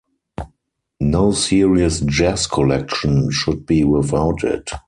No serious jazz collection should be without it.